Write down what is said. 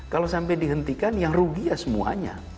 kalau sampai dihentikan yang rugi ya semuanya